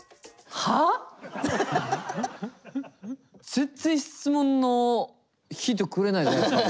全然質問のヒントくれないじゃないっすか